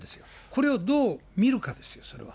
これをどう見るかですよ、それは。